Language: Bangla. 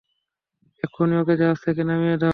এক্ষুনি ওকে জাহাজ থেকে নামিয়ে দাও!